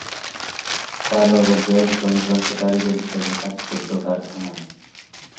তার বাবা জ্যাক যন্ত্রাংশ কারিগর হিসেবে কাজ করত কারখানায়।